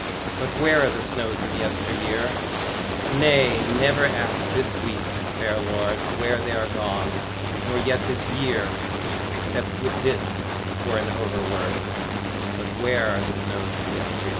... But where are the snows of yesteryear? Nay, never ask this week, fair lord, Where they are gone, nor yet this year, Except with this for an overword "But where are the snow